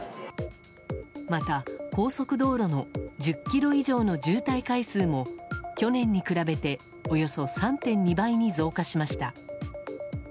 また、高速道路の１０ｋｍ以上の渋滞回数も去年に比べておよそ３．２倍に増加しました。